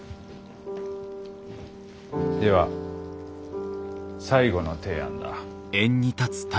では最後の提案だ。